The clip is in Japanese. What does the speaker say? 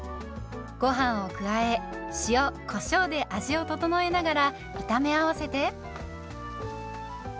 ごはんを加え塩こしょうで味を調えながら炒め合わせて。